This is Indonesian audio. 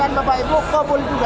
dan bapak ibu kabul juga